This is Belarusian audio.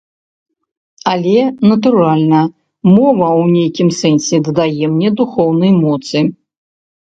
Але, натуральна, мова ў нейкім сэнсе дадае мне духоўнай моцы.